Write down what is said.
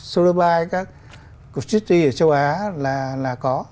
sutter bay các chutee ở châu á là có